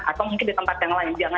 atau mungkin di tempat yang lain